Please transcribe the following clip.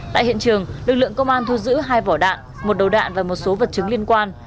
tại hiện trường lực lượng công an thu giữ hai vỏ đạn một đầu đạn và một số vật chứng liên quan